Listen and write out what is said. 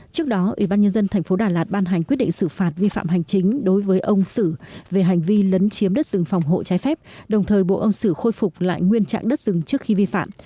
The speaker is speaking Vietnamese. trước đó ủy ban nhân dân thành phố đà lạt ban hành quyết định xử phạt vi phạm hành chính đối với ông sử về hành vi lấn chiếm đất rừng phòng hộ trái phép đồng thời bộ ông sử khôi phục lại nguyên trạng đất rừng trước khi vi phạm